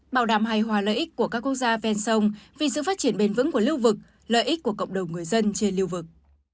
bảo đảm hài hòa lợi ích của các quốc gia ven sông vì sự phát triển bền vững của lưu vực lợi ích của cộng đồng người dân trên lưu vực